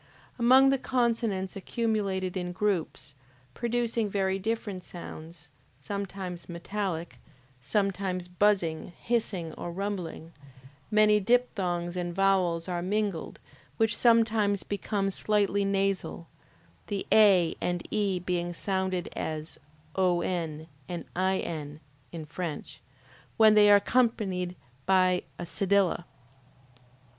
Among the consonants accumulated in groups, producing very different sounds, sometimes metallic, sometimes buzzing, hissing or rumbling, many diphthongs and vowels are mingled, which sometimes become slightly nasal, the A and E being sounded as ON and IN, (in French,) when they are accompanied by a cedilla.